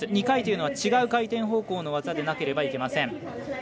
２回というのは違う回転方向の技でなければいけません。